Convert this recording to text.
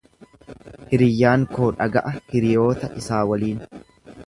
Hiriyyaan koo dhaga'a hiriyoota isaa waliin.